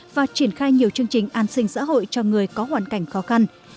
và triển khai nhiều chương trình an sinh xã hội cho người có hoàn cảnh khó khăn